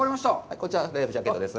こちらがライフジャケットです。